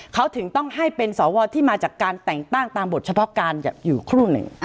เขาถึงต้องให้เป็นสวที่มาจากการแต่งตั้งตามบทเฉพาะการอยู่ครู่หนึ่ง